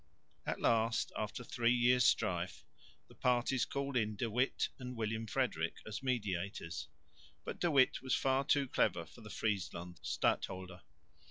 At last, after three years' strife, the parties called in De Witt and William Frederick as mediators. But De Witt was far too clever for the Friesland stadholder.